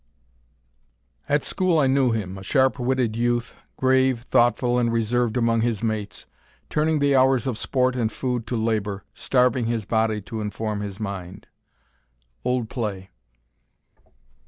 At school I knew him a sharp witted youth, Grave, thoughtful, and reserved among his mates, Turning the hours of sport and food to labour, Starving his body to inform his mind. OLD PLAY.